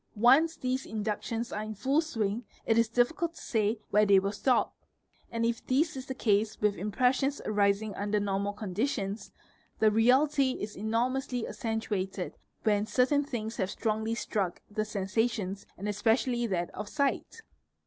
Once these inductions are 'in full swing, it is difficult to say where they will stop; and if this is the ae Ve Case with impressions arising under normal conditions, the reality is : 5: BP riously accentuated when certain things have strongly struck the er isations and especially that of sight.